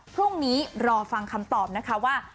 พรุ่งนี้รอฟังคำตอบนะคะว่า